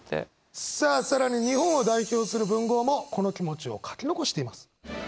さあ更に日本を代表する文豪もこの気持ちを書き残しています。